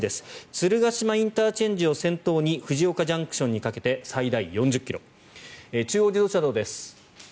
鶴ヶ島ＩＣを先頭に藤岡ＪＣＴにかけて最大４０ｋｍ中央自動車道です。